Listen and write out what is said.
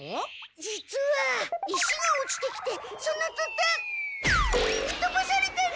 実は石が落ちてきてそのとたんふっとばされたの！